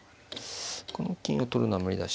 この金を取るのは無理だし。